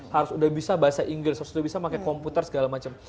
harus udah bisa bahasa inggris harus udah bisa pakai komputer segala macam